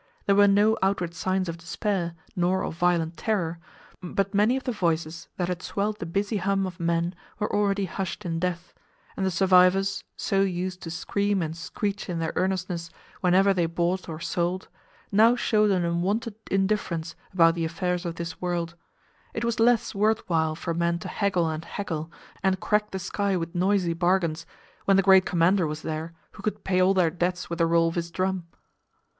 There were no outward signs of despair nor of violent terror, but many of the voices that had swelled the busy hum of men were already hushed in death, and the survivors, so used to scream and screech in their earnestness whenever they bought or sold, now showed an unwonted indifference about the affairs of this world: it was less worth while for men to haggle and haggle, and crack the sky with noisy bargains, when the great commander was there, who could "pay all their debts with the roll of his drum."